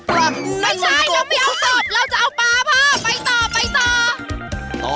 ไปต่อไปต่อ